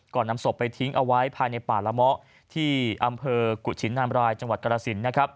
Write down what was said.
นำศพไปทิ้งเอาไว้ภายในป่าละเมาะที่อำเภอกุชินนามรายจังหวัดกรสินนะครับ